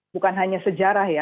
bukan hanya sejarah ya